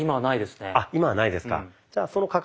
今はないですね。